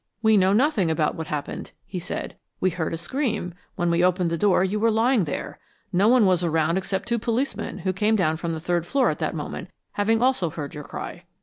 "We know nothing about what happened," he said. "We heard a scream. When we opened the door you were lying there. No one was around except two policemen who came down from the third floor at that moment, having also heard your cry."